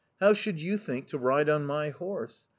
How should you think to ride on my horse?